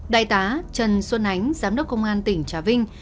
đại tá trần xuân ánh giám đốc công an tỉnh trà vinh